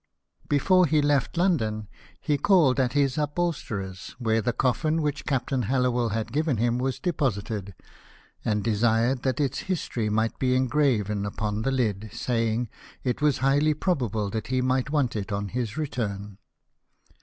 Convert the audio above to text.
Be fore he left London, he called at his upholsterer's, where the coffin which Captain Hallowell had given him was deposited, and desired that its history might be engraven upon the lid, saying it was highly prob able that he might want it on his return.